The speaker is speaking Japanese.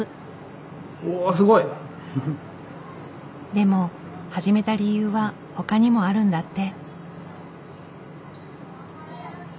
でも始めた理由はほかにもあるんだって。